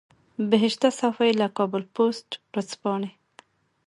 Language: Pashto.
بهشته صافۍ له کابل پوسټ ورځپاڼې.